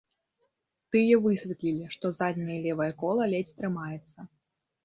Тыя высветлілі, што задняе левае кола ледзь трымаецца.